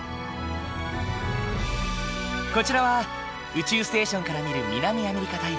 こちらは宇宙ステーションから見る南アメリカ大陸。